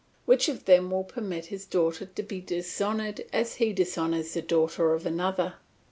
Which of them will permit his daughter to be dishonoured as he dishonours the daughter of another?